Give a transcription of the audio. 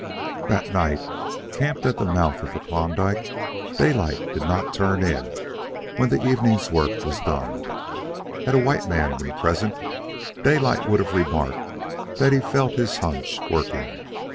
That night, camped at the mouth of the Klondike, Daylight did not turn in when the evening's work was done. Had a white man been present, Daylight would have remarked that he felt his "hunch" working.